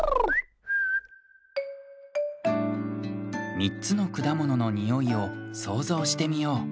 みっつのくだもののにおいをそうぞうしてみよう。